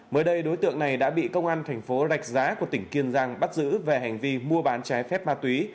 mới đây đối tượng này đã bị công an thành phố rạch giá của tỉnh kiên giang bắt giữ về hành vi mua bán trái phép ma túy